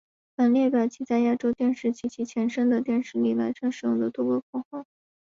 本列表记载亚洲电视及其前身丽的电视历年来曾使用的多个口号。